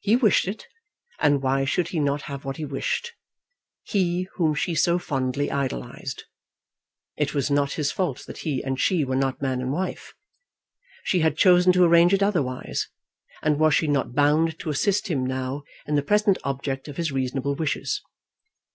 He wished it, and why should he not have what he wished, he, whom she so fondly idolised? It was not his fault that he and she were not man and wife. She had chosen to arrange it otherwise, and was she not bound to assist him now in the present object of his reasonable wishes?